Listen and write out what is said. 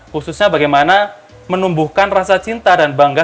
khususnya bagaimana menumbuhkan rasa cinta dan bangga